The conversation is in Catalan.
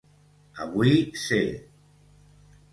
Avui ser